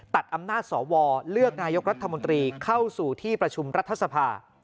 ตัดอำนาจสวเลือกนายกรัฐมนตรีเข้าสู่ที่ประชุมรัฐสภา